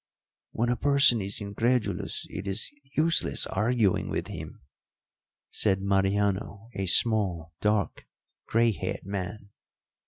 "When a person is incredulous, it is useless arguing with him," said Mariano, a small dark grey haired man.